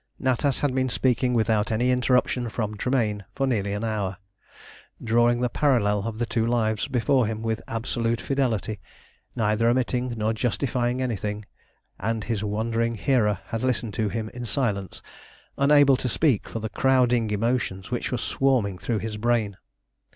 Natas had been speaking without any interruption from Tremayne for nearly an hour, drawing the parallel of the two lives before him with absolute fidelity, neither omitting nor justifying anything, and his wondering hearer had listened to him in silence, unable to speak for the crowding emotions which were swarming through his brain.